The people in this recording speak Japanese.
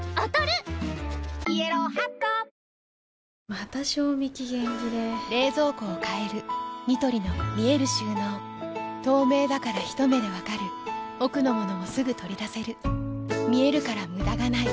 また賞味期限切れ冷蔵庫を変えるニトリの見える収納透明だからひと目で分かる奥の物もすぐ取り出せる見えるから無駄がないよし。